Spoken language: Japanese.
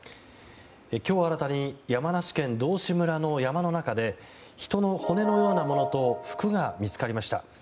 今日、新たに山梨県道志村の山の中で人の骨のようなものと服が見つかりました。